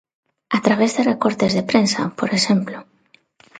A través de recortes de prensa, por exemplo.